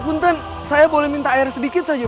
punten saya boleh minta air sedikit saja